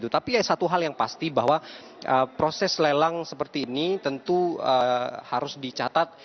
tapi satu hal yang pasti bahwa proses lelang seperti ini tentu harus dicatat